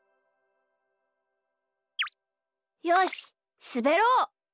よしすべろう！